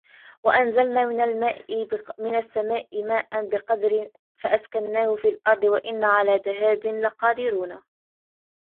وَأَنْزَلْنَا مِنَ السَّمَاءِ مَاءً بِقَدَرٍ فَأَسْكَنَّاهُ فِي الْأَرْضِ وَإِنَّا عَلَى ذَهَابٍ بِهِ لَقَادِرُونَ